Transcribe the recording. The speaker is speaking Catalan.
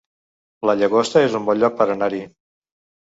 La Llagosta es un bon lloc per anar-hi